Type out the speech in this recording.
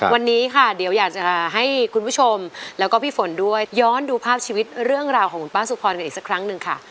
วันนี้ค่ะเดี๋ยวอยากจะให้คุณผู้ชมแล้วก็พี่ฝนด้วยย้อนดูภาพชีวิตเรื่องราวของคุณป้าสุพรกันอีกสักครั้งหนึ่งค่ะ